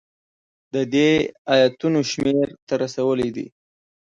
د دې ایتونو شمېر ته رسولی دی.